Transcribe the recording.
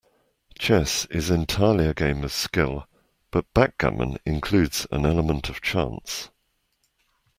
Chess is entirely a game of skill, but backgammon includes an element of chance